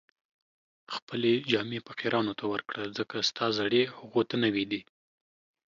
خپلې جامې فقیرانو ته ورکړه، ځکه ستا زړې هغو ته نوې دي